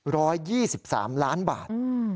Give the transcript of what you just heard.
๑ร้อย๒๓ล้านบาท